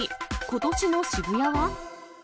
ことしの渋谷は？